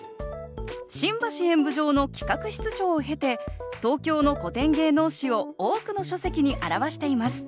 新橋演舞場の企画室長を経て東京の古典芸能史を多くの書籍に著しています。